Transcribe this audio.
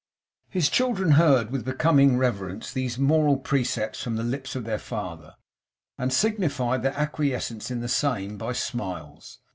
His children heard with becoming reverence these moral precepts from the lips of their father, and signified their acquiescence in the same, by smiles.